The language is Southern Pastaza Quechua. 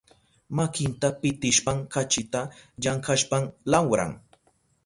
Makinta pitishpan kachita llankashpan lawran.